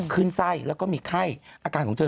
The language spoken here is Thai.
ขึ้นไส้แล้วก็มีไข้อาการของเธอ